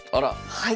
はい。